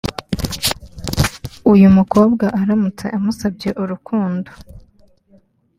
uyu mukobwa aramutse amusabye urukundo